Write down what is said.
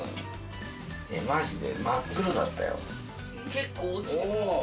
マジで真っ黒だったよ。